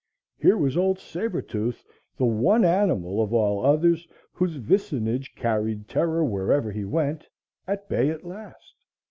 Here was Old Saber Tooth, the one animal of all others whose vicinage carried terror wherever he went, at bay at last.